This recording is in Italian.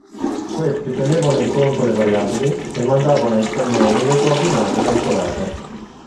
Questi tenevano in conto le variabili e mandavano ai cannoni le coordinate calcolate.